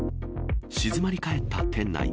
静まり返った店内。